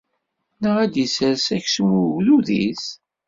Neɣ ad d-issers aksum i ugdud-is?